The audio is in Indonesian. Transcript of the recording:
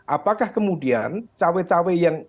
apakah kemudian cewek cewek yang